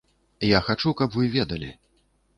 Я хачу, каб вы ведалі.